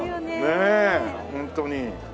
ねえホントに。